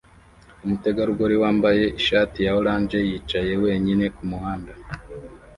Umutegarugori wambaye ishati ya orange yicaye wenyine kumuhanda